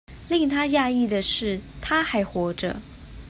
令他訝異的是她還活著